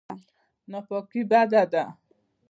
ناپاکي بده ده.